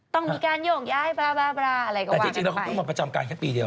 ต้องมีการโยกย้ายบราบราอะไรก่อนแต่จริงจริงแล้วเขาเพิ่งมาประจำการแค่ปีเดียว